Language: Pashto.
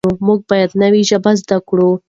موږ باید نوې ژبې زده کړو.